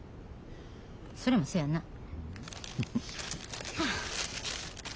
それもそやな。